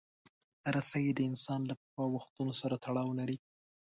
رسۍ د انسان له پخوا وختونو سره تړاو لري.